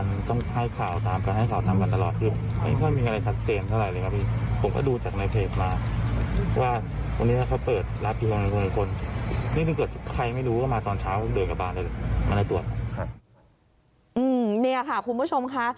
นี่ค่ะคุณผู้ชมค่ะ